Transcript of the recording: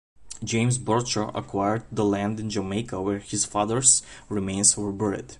James Bradshaw acquired the land in Jamaica where his father's remains were buried.